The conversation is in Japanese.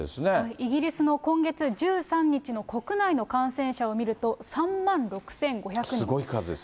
イギリスの今月１３日の国内の感染者を見ると、３万６５００すごい数です。